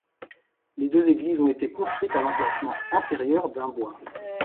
Les deux églises ont été construites à l'emplacement antérieur d'un bois.